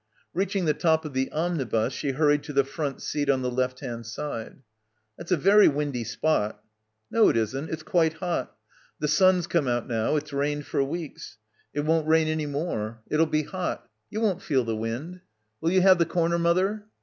Reaching the top of the omnibus she hurried to the front seat on the left hand side. "That's a very windy spot." "No it isn't, it's quite hot. The sun's come out now. It's rained for weeks. It won't rain any more. It'll be hot. You won't feel the wind. Will you have the corner, mother?"